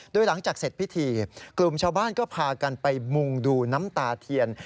โดยหลังจากเสร็จพิธีกลุ่มชาวบ้านก็พากันไปมุงดูน้ำตาเทียน